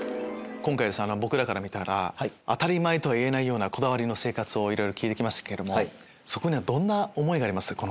今回僕らから見たら当たり前とはいえないようなこだわりの生活をいろいろ聞いて来ましたけれどもそこにはどんな思いがあります？